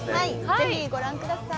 ぜひご覧ください。